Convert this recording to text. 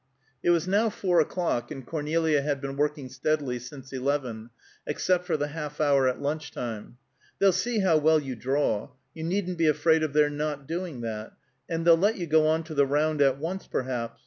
It was now four o'clock, and Cornelia had been working steadily since eleven, except for the half hour at lunch time. "They'll see how well you draw; you needn't be afraid of their not doing that; and they'll let you go on to the round at once, perhaps.